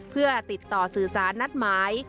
เพื่อติดต่อสื่อสารนัดหมาย